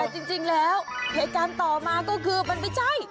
จริงแล้วเหตุการณ์ต่อมาก็คือมันไม่ใช่